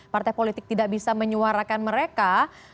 partai politik tidak bisa menyuarakan mereka